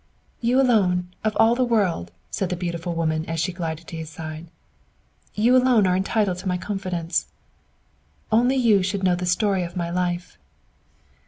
"You alone, of all the world," said the beautiful woman, as she glided to his side. "You alone are entitled to my confidence. "Only you should know the story of my life!"